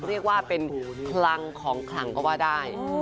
เรียกว่าเป็นคลังของขลังก็ว่าได้